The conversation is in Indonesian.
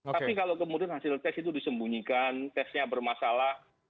tapi kalau kemudian hasil tes itu disembunyikan tesnya bermasalah